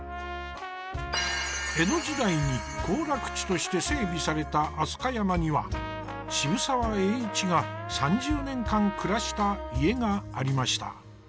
江戸時代に行楽地として整備された飛鳥山には渋沢栄一が３０年間暮らした家がありました。